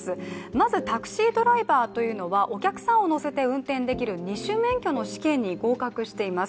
まずタクシードライバーというのはお客さんを乗せて運転できる二種免許の試験に合格しています、